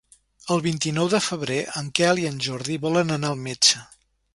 El vint-i-nou de febrer en Quel i en Jordi volen anar al metge.